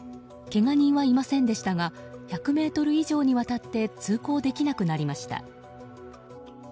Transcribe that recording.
けが人はいませんでしたが１００ｍ以上にわたって通行できなくなりました。